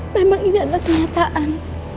memang ini adalah kenyataan